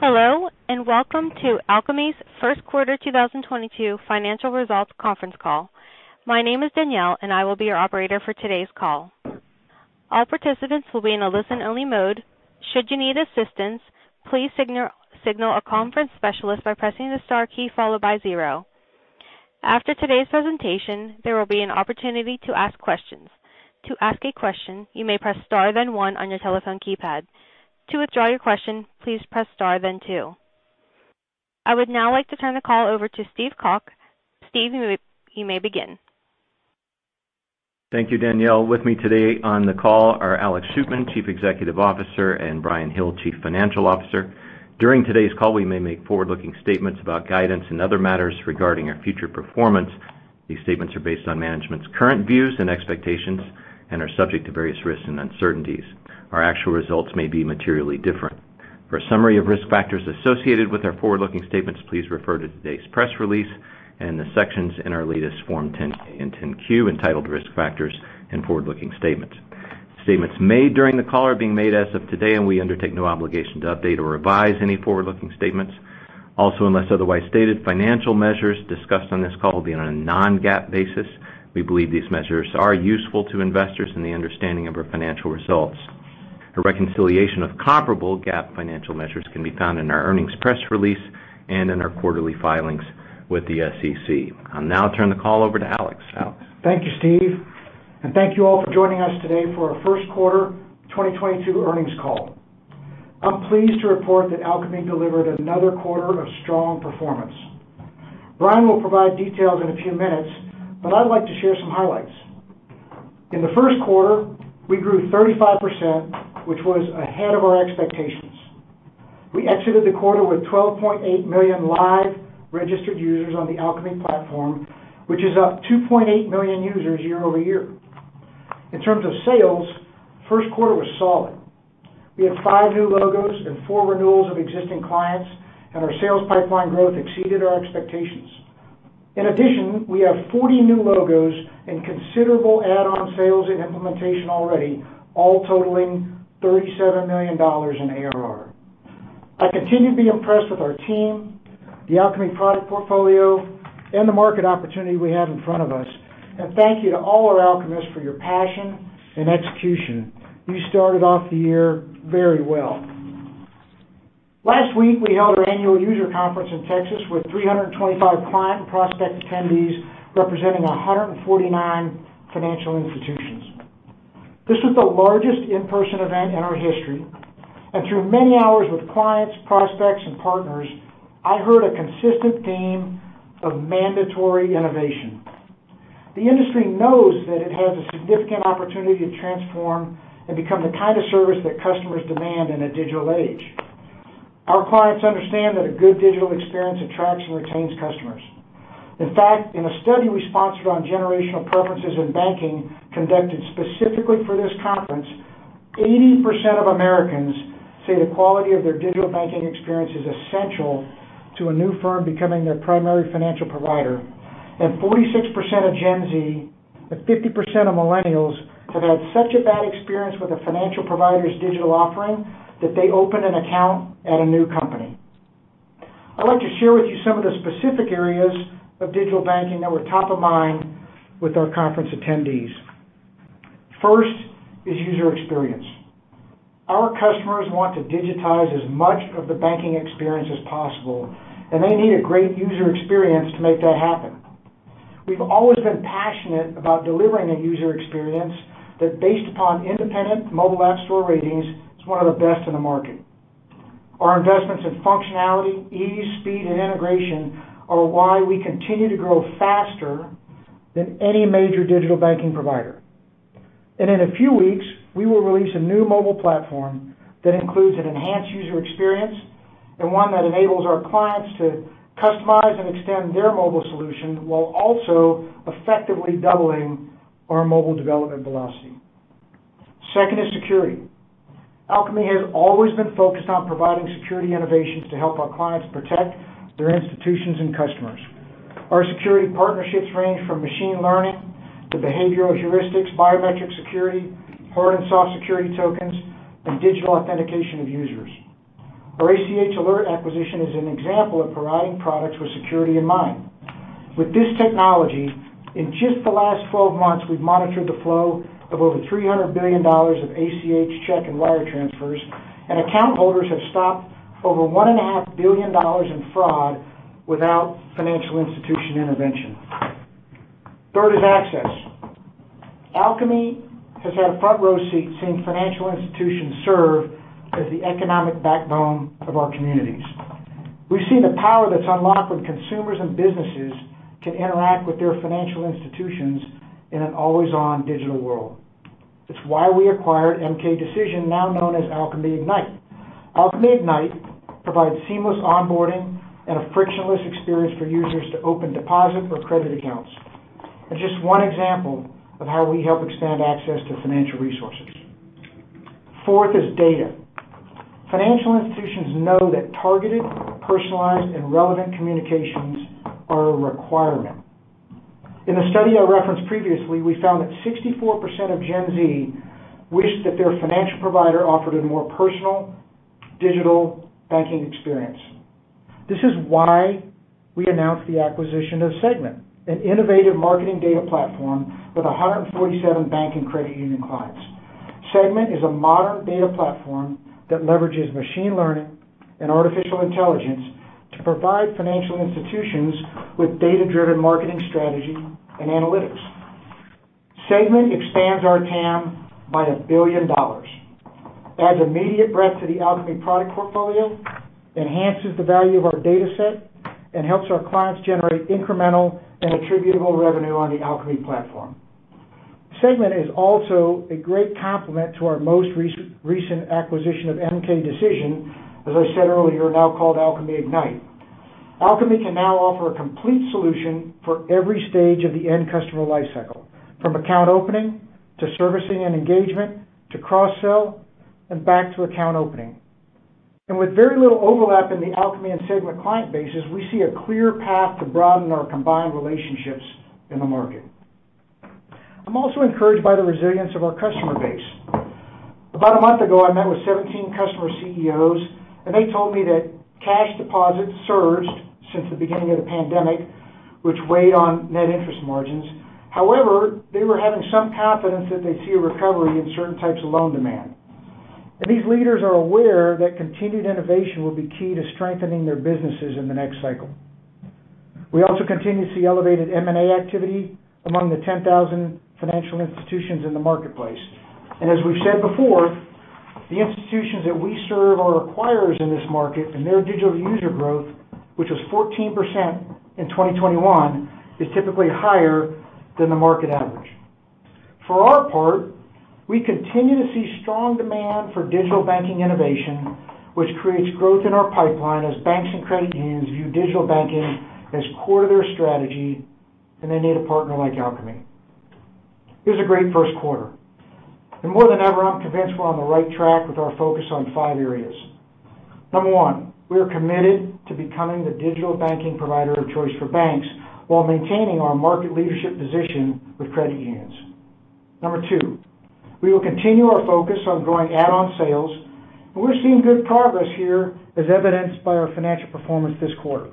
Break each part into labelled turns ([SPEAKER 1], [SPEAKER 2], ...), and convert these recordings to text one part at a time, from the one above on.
[SPEAKER 1] Hello, welcome to Alkami's First Quarter 2022 Financial Results Conference Call. My name is Danielle. I will be your operator for today's call. All participants will be in a listen-only mode. Should you need assistance, please signal a conference specialist by pressing the Star key, followed by 0. After today's presentation, there will be an opportunity to ask questions. To ask a question, you may press Star, then one on your telephone keypad. To withdraw your question, please press Star, then two. I would now like to turn the call over to Steve Calk. Steve, you may begin.
[SPEAKER 2] Thank you, Danielle. With me today on the call are Alex Shootman, Chief Executive Officer, and Bryan Hill, Chief Financial Officer. During today's call, we may make forward-looking statements about guidance and other matters regarding our future performance. These statements are based on management's current views and expectations and are subject to various risks and uncertainties. Our actual results may be materially different. For a summary of risk factors associated with our forward-looking statements, please refer to today's press release and the sections in our latest Form 10-K and 10-Q entitled Risk Factors and Forward-Looking Statements. Statements made during the call are being made as of today. We undertake no obligation to update or revise any forward-looking statements. Unless otherwise stated, financial measures discussed on this call will be on a non-GAAP basis. We believe these measures are useful to investors in the understanding of our financial results. A reconciliation of comparable GAAP financial measures can be found in our earnings press release and in our quarterly filings with the SEC. I'll now turn the call over to Alex. Alex.
[SPEAKER 3] Thank you, Steve. Thank you all for joining us today for our first quarter 2022 earnings call. I'm pleased to report that Alkami delivered another quarter of strong performance. Bryan will provide details in a few minutes. I'd like to share some highlights. In the first quarter, we grew 35%, which was ahead of our expectations. We exited the quarter with 12.8 million live registered users on the Alkami platform, which is up 2.8 million users year-over-year. In terms of sales, first quarter was solid. We had five new logos and four renewals of existing clients. Our sales pipeline growth exceeded our expectations. In addition, we have 40 new logos and considerable add-on sales and implementation already, all totaling $37 million in ARR. I continue to be impressed with our team, the Alkami product portfolio, and the market opportunity we have in front of us. Thank you to all our Alkamists for your passion and execution. You started off the year very well. Last week, we held our annual user conference in Texas with 325 client and prospect attendees representing 149 financial institutions. This was the largest in-person event in our history. Through many hours with clients, prospects, and partners, I heard a consistent theme of mandatory innovation. The industry knows that it has a significant opportunity to transform and become the kind of service that customers demand in a digital age. Our clients understand that a good digital experience attracts and retains customers. In fact, in a study we sponsored on generational preferences in banking conducted specifically for this conference, 80% of Americans say the quality of their digital banking experience is essential to a new firm becoming their primary financial provider. 46% of Gen Z and 50% of millennials have had such a bad experience with a financial provider's digital offering that they open an account at a new company. I'd like to share with you some of the specific areas of digital banking that were top of mind with our conference attendees. First is user experience. Our customers want to digitize as much of the banking experience as possible, and they need a great user experience to make that happen. We've always been passionate about delivering a user experience that based upon independent mobile app store ratings is one of the best in the market. Our investments in functionality, ease, speed, and integration are why we continue to grow faster than any major digital banking provider. In a few weeks, we will release a new mobile platform that includes an enhanced user experience and one that enables our clients to customize and extend their mobile solution while also effectively doubling our mobile development velocity. Second is security. Alkami has always been focused on providing security innovations to help our clients protect their institutions and customers. Our security partnerships range from machine learning to behavioral heuristics, biometric security, hard and soft security tokens, and digital authentication of users. Our ACH Alert acquisition is an example of providing products with security in mind. With this technology, in just the last 12 months, we've monitored the flow of over $300 billion of ACH check and wire transfers, and account holders have stopped over $1.5 billion in fraud without financial institution intervention. Third is access. Alkami has had a front-row seat seeing financial institutions serve as the economic backbone of our communities. We've seen the power that's unlocked when consumers and businesses can interact with their financial institutions in an always-on digital world. It's why we acquired MK Decision, now known as Alkami Ignite. Alkami Ignite provides seamless onboarding and a frictionless experience for users to open deposit or credit accounts. Just one example of how we help expand access to financial resources. Fourth is data. Financial institutions know that targeted, personalized, and relevant communications are a requirement. In the study I referenced previously, we found that 64% of Gen Z wish that their financial provider offered a more personal digital banking experience. This is why we announced the acquisition of Segmint, an innovative marketing data platform with 147 bank and credit union clients. Segmint is a modern data platform that leverages machine learning and artificial intelligence to provide financial institutions with data-driven marketing strategy and analytics. Segmint expands our TAM by $1 billion, adds immediate breadth to the Alkami product portfolio, enhances the value of our data set, and helps our clients generate incremental and attributable revenue on the Alkami platform. Segmint is also a great complement to our most recent acquisition of MK Decision, as I said earlier, now called Alkami Ignite. Alkami can now offer a complete solution for every stage of the end customer life cycle, from account opening to servicing and engagement, to cross-sell, and back to account opening. With very little overlap in the Alkami and Segmint client bases, we see a clear path to broaden our combined relationships in the market. I'm also encouraged by the resilience of our customer base. About a month ago, I met with 17 customer CEOs, and they told me that cash deposits surged since the beginning of the pandemic, which weighed on net interest margins. However, they were having some confidence that they'd see a recovery in certain types of loan demand. These leaders are aware that continued innovation will be key to strengthening their businesses in the next cycle. We also continue to see elevated M&A activity among the 10,000 financial institutions in the marketplace. As we've said before, the institutions that we serve are acquirers in this market, and their digital user growth, which was 14% in 2021, is typically higher than the market average. For our part, we continue to see strong demand for digital banking innovation, which creates growth in our pipeline as banks and credit unions view digital banking as core to their strategy, and they need a partner like Alkami. It was a great first quarter. More than ever, I'm convinced we're on the right track with our focus on five areas. Number one, we are committed to becoming the digital banking provider of choice for banks while maintaining our market leadership position with credit unions. Number two, we will continue our focus on growing add-on sales, and we're seeing good progress here as evidenced by our financial performance this quarter.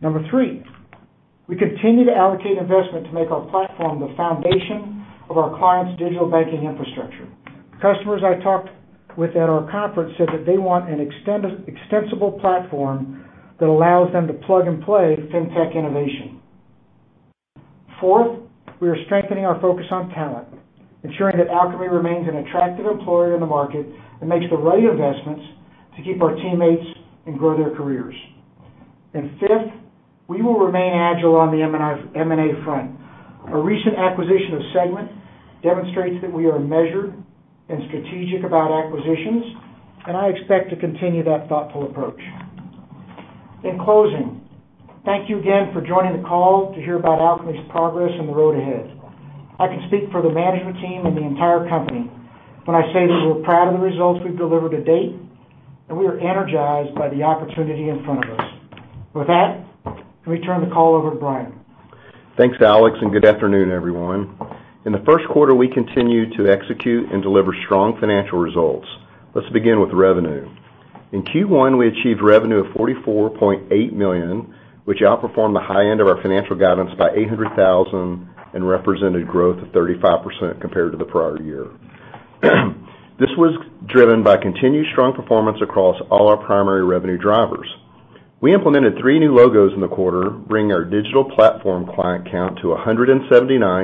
[SPEAKER 3] Number three, we continue to allocate investment to make our platform the foundation of our clients' digital banking infrastructure. Customers I talked with at our conference said that they want an extensible platform that allows them to plug and play fintech innovation. Fourth, we are strengthening our focus on talent, ensuring that Alkami remains an attractive employer in the market and makes the right investments to keep our teammates and grow their careers. Fifth, we will remain agile on the M&A front. Our recent acquisition of Segmint demonstrates that we are measured and strategic about acquisitions, and I expect to continue that thoughtful approach. In closing, thank you again for joining the call to hear about Alkami's progress and the road ahead. I can speak for the management team and the entire company when I say that we're proud of the results we've delivered to date. We are energized by the opportunity in front of us. With that, let me turn the call over to Bryan.
[SPEAKER 4] Thanks, Alex. Good afternoon, everyone. In the first quarter, we continued to execute and deliver strong financial results. Let's begin with revenue. In Q1, we achieved revenue of $44.8 million, which outperformed the high end of our financial guidance by $800,000 and represented growth of 35% compared to the prior year. This was driven by continued strong performance across all our primary revenue drivers. We implemented three new logos in the quarter, bringing our digital banking platform client count to 179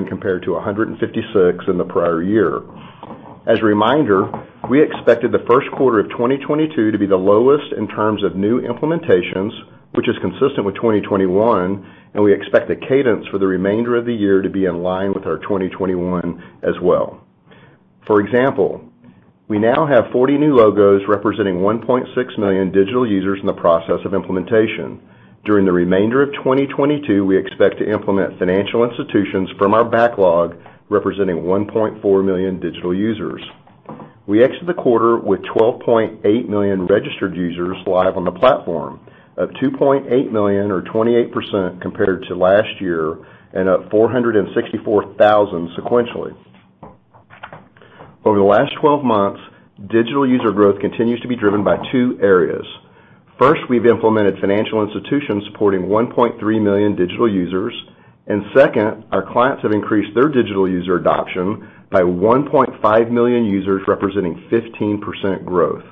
[SPEAKER 4] compared to 156 in the prior year. As a reminder, we expected the first quarter of 2022 to be the lowest in terms of new implementations, which is consistent with 2021. We expect the cadence for the remainder of the year to be in line with our 2021 as well. For example, we now have 40 new logos representing 1.6 million digital users in the process of implementation. During the remainder of 2022, we expect to implement financial institutions from our backlog representing 1.4 million digital users. We exit the quarter with 12.8 million registered users live on the platform, up 2.8 million or 28% compared to last year and up 464,000 sequentially. Over the last 12 months, digital user growth continues to be driven by two areas. First, we've implemented financial institutions supporting 1.3 million digital users. Second, our clients have increased their digital user adoption by 1.5 million users, representing 15% growth.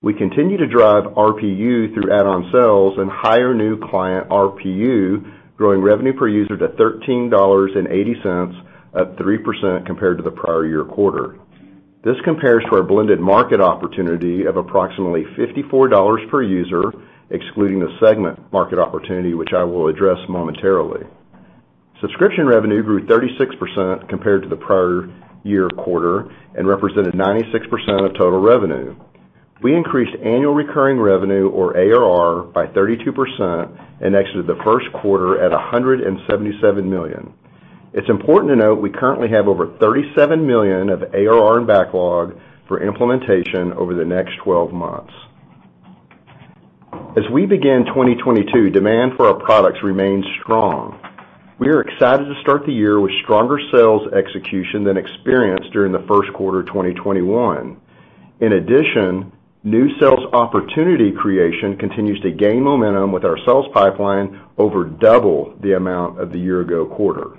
[SPEAKER 4] We continue to drive RPU through add-on sales and higher new client RPU, growing revenue per user to $13.80, up 3% compared to the prior year quarter. This compares to our blended market opportunity of approximately $54 per user, excluding the Segmint market opportunity, which I will address momentarily. Subscription revenue grew 36% compared to the prior year quarter and represented 96% of total revenue. We increased annual recurring revenue, or ARR, by 32% and exited the first quarter at $177 million. It's important to note we currently have over $37 million of ARR in backlog for implementation over the next 12 months. As we begin 2022, demand for our products remains strong. We are excited to start the year with stronger sales execution than experienced during the first quarter of 2021. In addition, new sales opportunity creation continues to gain momentum with our sales pipeline over double the amount of the year ago quarter.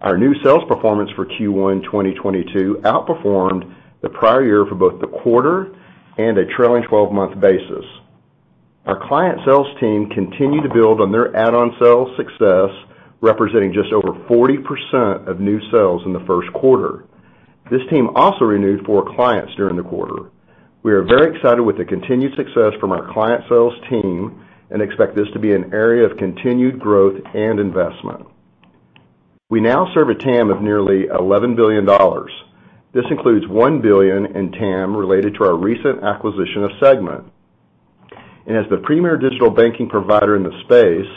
[SPEAKER 4] Our new sales performance for Q1 2022 outperformed the prior year for both the quarter and a trailing 12-month basis. Our client sales team continued to build on their add-on sales success, representing just over 40% of new sales in the first quarter. This team also renewed four clients during the quarter. We are very excited with the continued success from our client sales team and expect this to be an area of continued growth and investment. We now serve a TAM of nearly $11 billion. This includes $1 billion in TAM related to our recent acquisition of Segmint. As the premier digital banking provider in the space,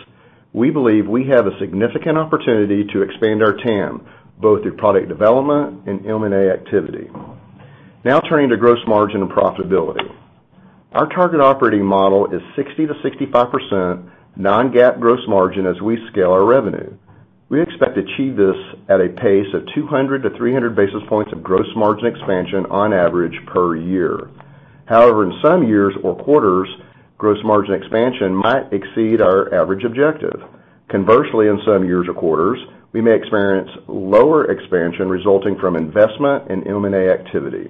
[SPEAKER 4] we believe we have a significant opportunity to expand our TAM, both through product development and M&A activity. Now turning to gross margin and profitability. Our target operating model is 60%-65% non-GAAP gross margin as we scale our revenue. We expect to achieve this at a pace of 200-300 basis points of gross margin expansion on average per year. However, in some years or quarters, gross margin expansion might exceed our average objective. Conversely, in some years or quarters, we may experience lower expansion resulting from investment in M&A activity.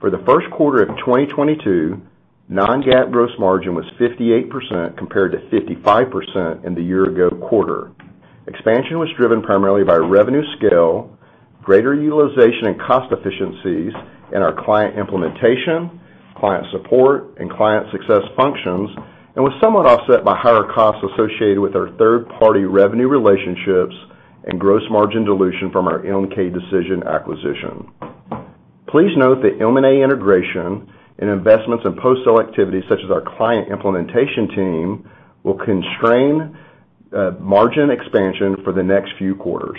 [SPEAKER 4] For the first quarter of 2022, non-GAAP gross margin was 58% compared to 55% in the year ago quarter. Expansion was driven primarily by revenue scale, greater utilization and cost efficiencies in our client implementation, client support, and client success functions, and was somewhat offset by higher costs associated with our third-party revenue relationships and gross margin dilution from our MK Decision acquisition. Please note that M&A integration and investments in post-sale activities such as our client implementation team will constrain margin expansion for the next few quarters.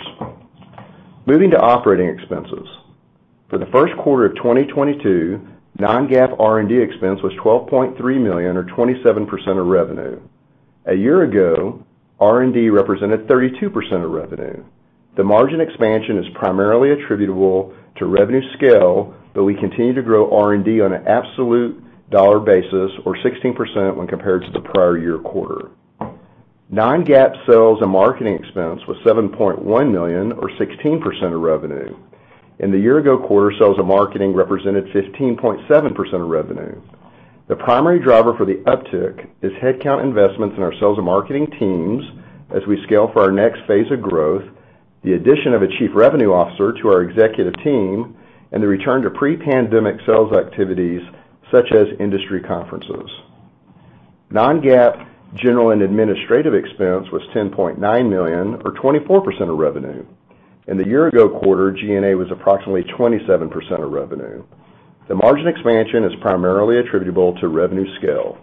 [SPEAKER 4] Moving to operating expenses. For the first quarter of 2022, non-GAAP R&D expense was $12.3 million or 27% of revenue. A year ago, R&D represented 32% of revenue. The margin expansion is primarily attributable to revenue scale, though we continue to grow R&D on an absolute dollar basis, or 16%, when compared to the prior year quarter. Non-GAAP sales and marketing expense was $7.1 million or 16% of revenue. In the year ago quarter, sales and marketing represented 15.7% of revenue. The primary driver for the uptick is headcount investments in our sales and marketing teams as we scale for our next phase of growth, the addition of a Chief Revenue Officer to our executive team, and the return to pre-pandemic sales activities such as industry conferences. Non-GAAP general and administrative expense was $10.9 million or 24% of revenue. In the year ago quarter, G&A was approximately 27% of revenue. The margin expansion is primarily attributable to revenue scale.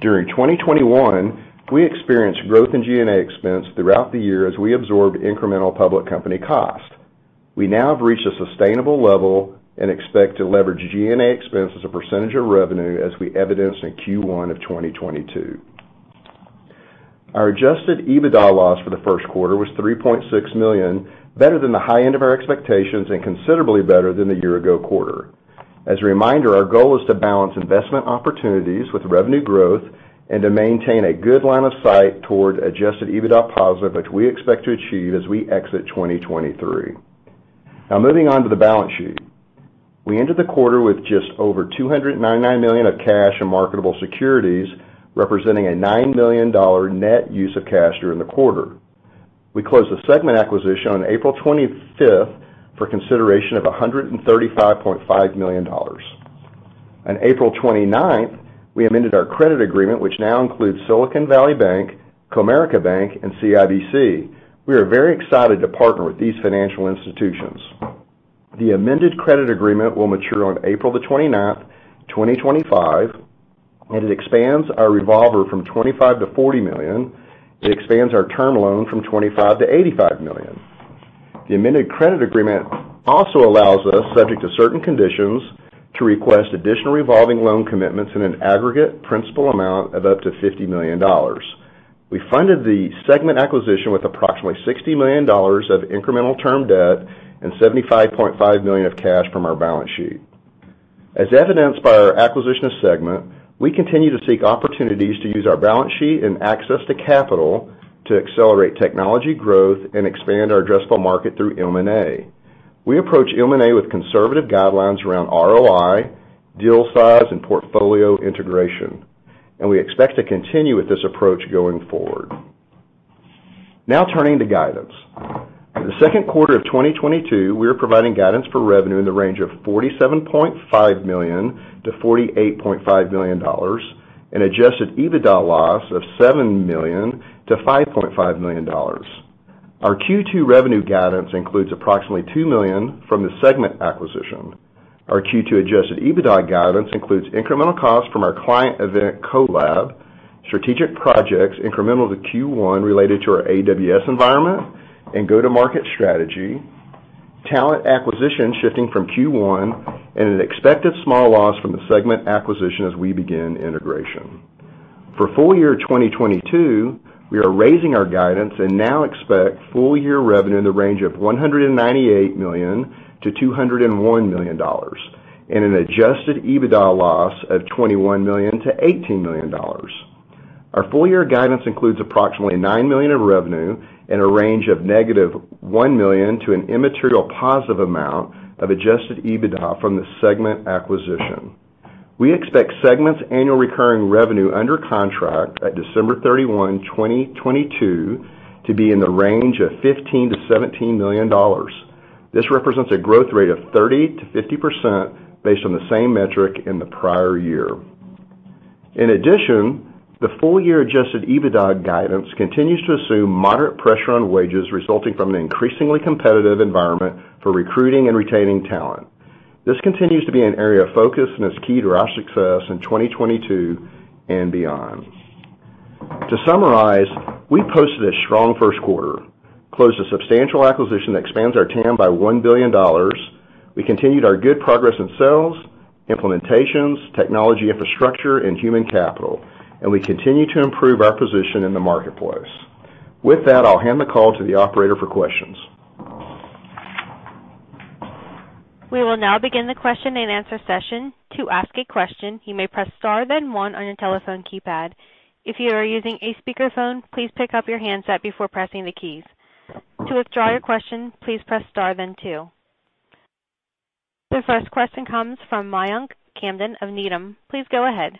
[SPEAKER 4] During 2021, we experienced growth in G&A expense throughout the year as we absorbed incremental public company cost. We now have reached a sustainable level and expect to leverage G&A expense as a percentage of revenue as we evidenced in Q1 of 2022. Our adjusted EBITDA loss for the first quarter was $3.6 million, better than the high end of our expectations and considerably better than the year ago quarter. As a reminder, our goal is to balance investment opportunities with revenue growth and to maintain a good line of sight towards adjusted EBITDA positive, which we expect to achieve as we exit 2023. Now moving on to the balance sheet. We ended the quarter with just over $299 million of cash and marketable securities, representing a $9 million net use of cash during the quarter. We closed the Segmint acquisition on April 25th for consideration of $135.5 million. On April 29th, we amended our credit agreement, which now includes Silicon Valley Bank, Comerica Bank and CIBC. We are very excited to partner with these financial institutions. The amended credit agreement will mature on April the 29th, 2025, and it expands our revolver from $25 million-$40 million. It expands our term loan from $25 million-$85 million. The amended credit agreement also allows us, subject to certain conditions, to request additional revolving loan commitments in an aggregate principal amount of up to $50 million. We funded the Segmint acquisition with approximately $60 million of incremental term debt and $75.5 million of cash from our balance sheet. As evidenced by our acquisition of Segmint, we continue to seek opportunities to use our balance sheet and access to capital to accelerate technology growth and expand our addressable market through M&A. We approach M&A with conservative guidelines around ROI, deal size, and portfolio integration, and we expect to continue with this approach going forward. Now turning to guidance. For the second quarter of 2022, we are providing guidance for revenue in the range of $47.5 million-$48.5 million, an adjusted EBITDA loss of $7 million-$5.5 million. Our Q2 revenue guidance includes approximately $2 million from the Segmint acquisition. Our Q2 adjusted EBITDA guidance includes incremental costs from our client event, Co:lab, strategic projects incremental to Q1 related to our AWS environment and go-to-market strategy, talent acquisition shifting from Q1 and an expected small loss from the Segmint acquisition as we begin integration. For full year 2022, we are raising our guidance and now expect full year revenue in the range of $198 million-$201 million, and an adjusted EBITDA loss of $21 million-$18 million. Our full year guidance includes approximately $9 million of revenue and a range of negative $1 million to an immaterial positive amount of adjusted EBITDA from the Segmint acquisition. We expect Segmint's annual recurring revenue under contract at December 31, 2022, to be in the range of $15 million-$17 million. This represents a growth rate of 30%-50% based on the same metric in the prior year. In addition, the full year adjusted EBITDA guidance continues to assume moderate pressure on wages resulting from an increasingly competitive environment for recruiting and retaining talent. This continues to be an area of focus and is key to our success in 2022 and beyond. To summarize, we posted a strong first quarter, closed a substantial acquisition that expands our TAM by $1 billion. We continued our good progress in sales, implementations, technology infrastructure, and human capital, and we continue to improve our position in the marketplace. With that, I'll hand the call to the operator for questions.
[SPEAKER 1] We will now begin the question and answer session. To ask a question, you may press star then one on your telephone keypad. If you are using a speakerphone, please pick up your handset before pressing the keys. To withdraw your question, please press star then two. The first question comes from Mayank Tandon of Needham. Please go ahead.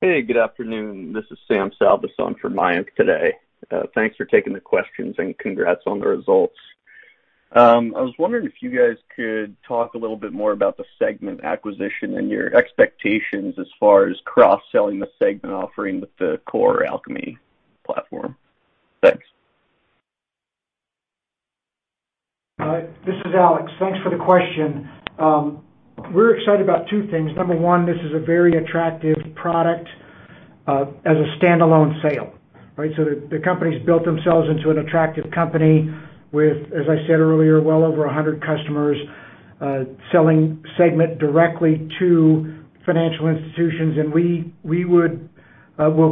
[SPEAKER 5] Hey, good afternoon. This is Sam Salvas for Mayank today. Thanks for taking the questions and congrats on the results. I was wondering if you guys could talk a little bit more about the Segmint acquisition and your expectations as far as cross-selling the Segmint offering with the core Alkami platform. Thanks.
[SPEAKER 3] This is Alex. Thanks for the question. We're excited about two things. Number one, this is a very attractive product as a standalone sale, right? The company's built themselves into an attractive company with, as I said earlier, well over 100 customers selling Segmint directly to financial institutions, and we'll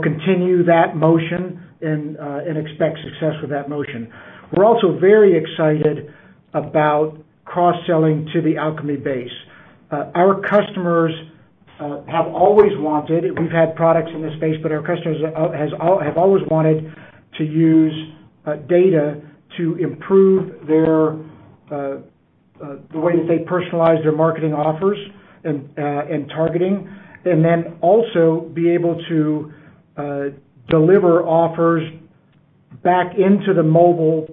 [SPEAKER 3] continue that motion and expect success with that motion. We're also very excited about cross-selling to the Alkami base. Our customers have always wanted. We've had products in this space, but our customers have always wanted to use data to improve the way that they personalize their marketing offers and targeting. Also be able to deliver offers back into the mobile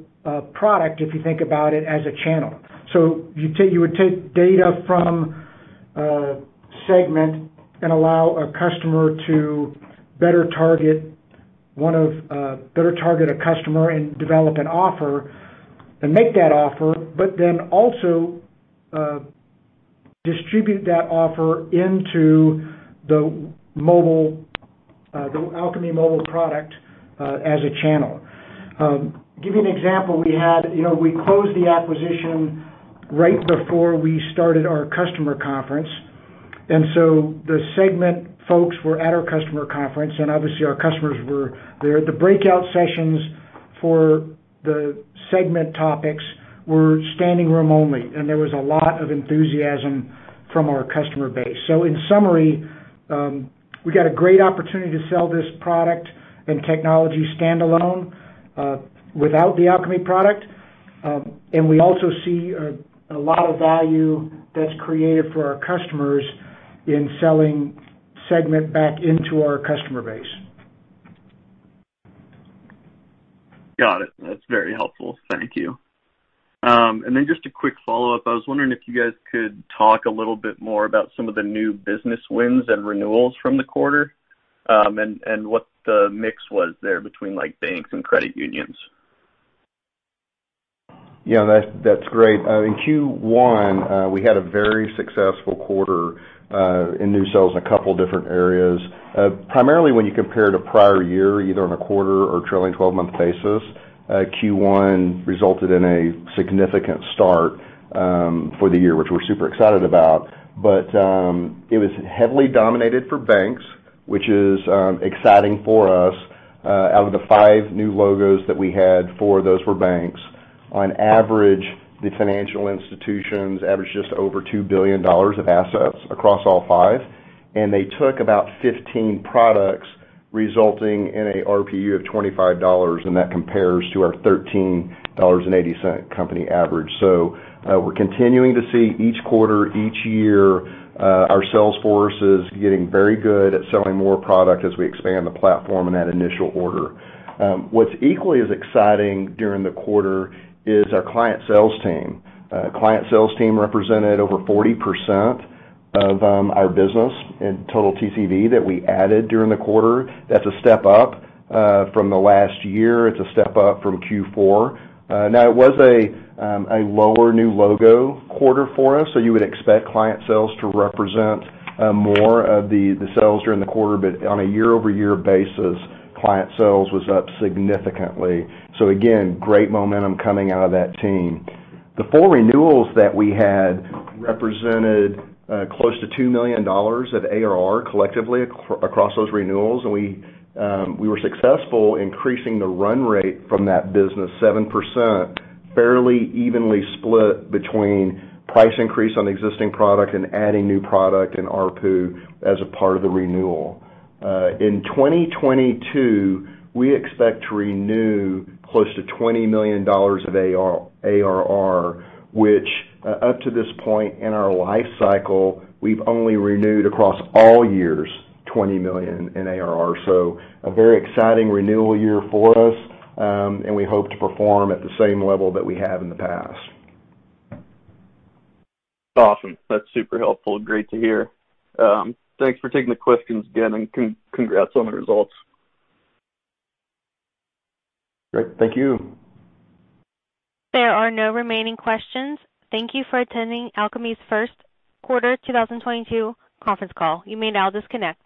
[SPEAKER 3] product, if you think about it as a channel. You would take data from Segmint and allow a customer to better target a customer and develop an offer and make that offer. Also distribute that offer into the Alkami mobile product as a channel. Give you an example. We closed the acquisition right before we started our customer conference. The Segmint folks were at our customer conference, and obviously, our customers were there. The breakout sessions for the Segmint topics were standing room only, and there was a lot of enthusiasm from our customer base. In summary, we got a great opportunity to sell this product and technology standalone without the Alkami product, and we also see a lot of value that's created for our customers in selling Segmint back into our customer base.
[SPEAKER 5] Got it. That's very helpful. Thank you. Just a quick follow-up. I was wondering if you guys could talk a little bit more about some of the new business wins and renewals from the quarter, and what the mix was there between banks and credit unions.
[SPEAKER 4] Yeah, that's great. In Q1, we had a very successful quarter in new sales in a couple different areas. Primarily when you compare it to prior year, either on a quarter or trailing 12-month basis, Q1 resulted in a significant start for the year, which we're super excited about. It was heavily dominated for banks, which is exciting for us. Out of the five new logos that we had, four of those were banks. On average, the financial institutions averaged just over $2 billion of assets across all five, and they took about 15 products, resulting in an RPU of $25, and that compares to our $13.80 company average. We're continuing to see each quarter, each year, our sales force is getting very good at selling more product as we expand the platform in that initial order. What's equally as exciting during the quarter is our client sales team. Client sales team represented over 40% of our business in total TCV that we added during the quarter. That's a step up from the last year. It's a step up from Q4. It was a lower new logo quarter for us, you would expect client sales to represent more of the sales during the quarter. On a year-over-year basis, client sales was up significantly. Again, great momentum coming out of that team. The four renewals that we had represented close to $2 million of ARR collectively across those renewals, and we were successful increasing the run rate from that business 7%, fairly evenly split between price increase on existing product and adding new product and ARPU as a part of the renewal. In 2022, we expect to renew close to $20 million of ARR, which up to this point in our life cycle, we've only renewed across all years, $20 million in ARR. A very exciting renewal year for us, and we hope to perform at the same level that we have in the past.
[SPEAKER 5] Awesome. That's super helpful. Great to hear. Thanks for taking the questions again, and congrats on the results.
[SPEAKER 4] Great. Thank you.
[SPEAKER 1] There are no remaining questions. Thank you for attending Alkami's first quarter 2022 conference call. You may now disconnect.